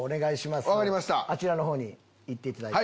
あちらのほうに行っていただいて。